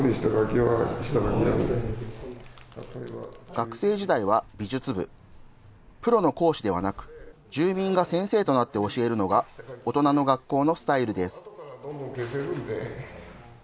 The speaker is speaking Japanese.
学生時代は美術部、プロの講師ではなく、住民が先生となって教えるのが、大人の学校のスタイルです。